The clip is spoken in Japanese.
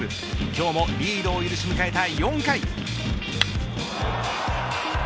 今日もリードを許し迎えた